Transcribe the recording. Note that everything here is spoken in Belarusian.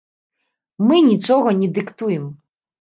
Мы нічога не дыктуем.